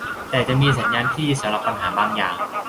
แต่จะมีสัญญาณที่ดีสำหรับปัญหาบางอย่าง